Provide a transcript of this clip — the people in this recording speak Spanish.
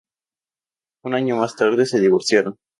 Un año más tarde se divorciaron.